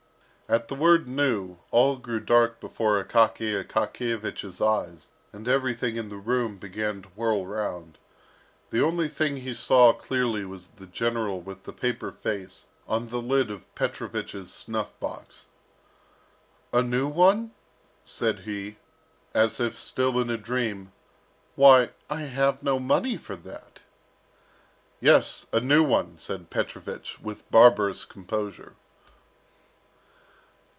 At the word "new" all grew dark before Akaky Akakiyevich's eyes, and everything in the room began to whirl round. The only thing he saw clearly was the general with the paper face on the lid of Petrovich's snuff box. "A new one?" said he, as if still in a dream. "Why, I have no money for that." "Yes, a new one," said Petrovich, with barbarous composure.